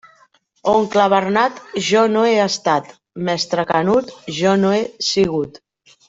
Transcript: Oncle Bernat, jo no he estat; mestre Canut, jo no he sigut.